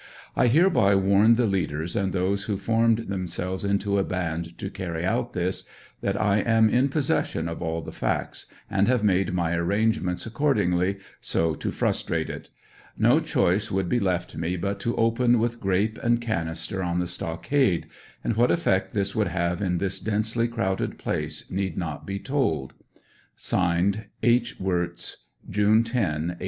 I hereby warn the leadei:s and those who formed themselves into a band to carry out this, that I am in possession of all the facts, and have made my arrangements accordingly, so to frustrate it. No choice would be left me but to open with grape and cannister on the stockade, and what effect this would have in this densely crowded place need not be told. Signed, June 10, 1864. H.